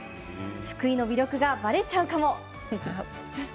福井の魅力が、ばれちゃうかも。